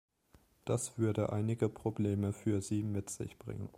Das würde einige Probleme für sie mit sich bringen.